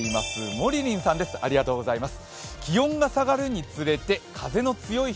モリリンさんです、ありがとうございます。